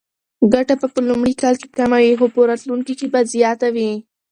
ګټه به په لومړي کال کې کمه خو په راتلونکي کې به زیاته وي.